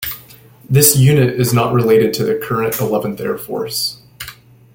This unit is not related to the current Eleventh Air Force.